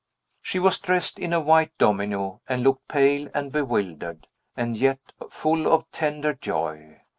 She was dressed in a white domino, and looked pale and bewildered, and yet full of tender joy.